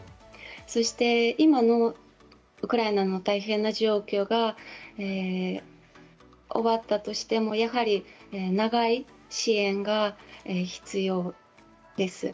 そして、今のウクライナの大変な状況が終わったとしてもやはり長い支援が必要です。